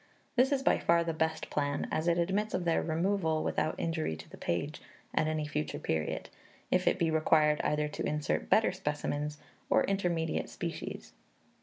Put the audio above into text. This is by far the best plan, as it admits of their removal, without injury to the page, at any future period, if it be required either to insert better specimens, or intermediate species.